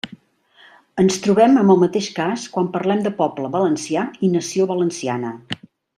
Ens trobem amb el mateix cas quan parlem de poble valencià i nació valenciana.